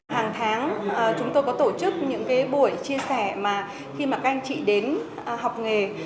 hàng tháng chúng tôi có tổ chức những cái buổi chia sẻ mà khi mà các anh chị đến học nghề